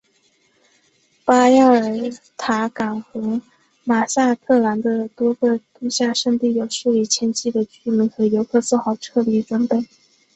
巴亚尔塔港和马萨特兰的多个度假胜地有数以千计的居民和游客做好撤离准备。